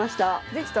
できた？